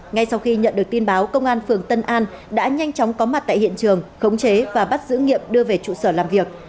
ngay sau khi nhận được tin báo công an phường tân an đã nhanh chóng có mặt tại hiện trường khống chế và bắt giữ nghiệm đưa về trụ sở làm việc